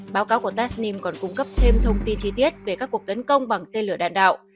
báo cáo của testnim còn cung cấp thêm thông tin chi tiết về các cuộc tấn công bằng tên lửa đạn đạo